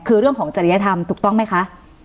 คือเรื่องของจริยธรรมถูกต้องไหมคะ